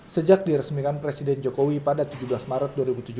sejak diresmikan presiden jokowi pada tujuh belas maret dua ribu tujuh belas